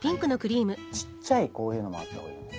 ちっちゃいこういうのもあったほうがいいね。